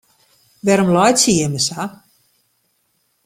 Wêrom laitsje jimme sa?